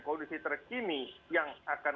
kondisi terkini yang akan